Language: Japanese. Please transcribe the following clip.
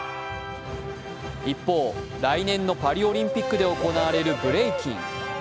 一方、来年のパリオリンピックで行われるブレイキン。